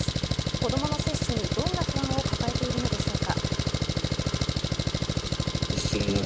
子供の接種にどんな不安を抱えているのでしょうか？